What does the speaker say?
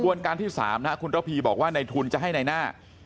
ขบวนการที่สามนะคุณตาพีบอกว่าในทุนจะให้ในหน้า